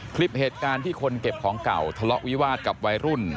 คลิปเหตุการณ์ที่คนเก็บของเก่าทะเลาะวิวาสกับวัยรุ่น